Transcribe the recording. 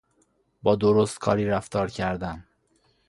با درستکاری رفتار کردن